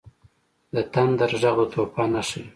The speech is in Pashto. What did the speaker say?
• د تندر ږغ د طوفان نښه وي.